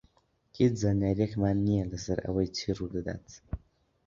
هیچ زانیارییەکمان نییە لەسەر ئەوەی چی ڕوو دەدات.